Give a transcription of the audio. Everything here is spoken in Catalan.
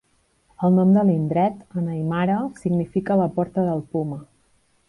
El nom de l'indret, en aimara, significa 'la porta del puma'.